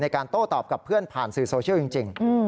โต้ตอบกับเพื่อนผ่านสื่อโซเชียลจริง